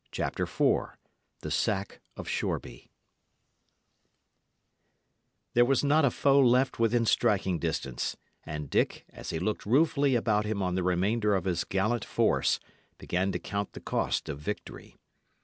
CHAPTER IV THE SACK OF SHOREBY There was not a foe left within striking distance; and Dick, as he looked ruefully about him on the remainder of his gallant force, began to count the cost of victory.